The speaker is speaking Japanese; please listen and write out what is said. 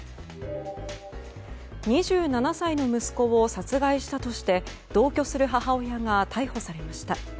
２７歳の息子を殺害したとして同居する母親が逮捕されました。